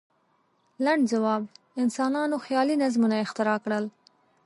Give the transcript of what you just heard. لنډ ځواب: انسانانو خیالي نظمونه اختراع کړل.